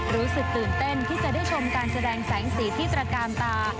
รู้สึกตื่นเต้นที่จะได้ชมการแสดงแสงสีที่ตระกาลตา